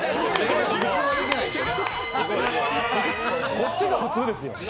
こっちが普通ですよ。